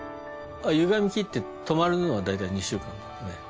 ゆがみ切って止まるのはだいたい２週間なんですね。